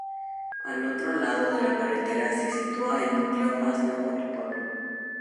Al otro lado de la carretera se sitúa el núcleo más nuevo del pueblo.